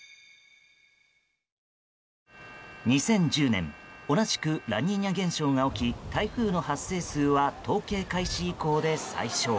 ２０１０年同じくラニーニャ現象が起き台風の発生数は統計開始以降で最小。